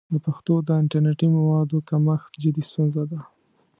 د پښتو د انټرنیټي موادو کمښت جدي ستونزه ده.